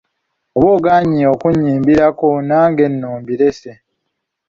Oba ogaanyi okunnyimbirako nange nno mbirese.